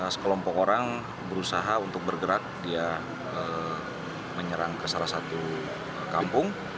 sekelompok orang berusaha untuk bergerak dia menyerang ke salah satu kampung